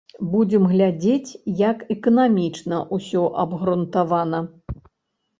Будзем глядзець, як эканамічна ўсё абгрунтавана.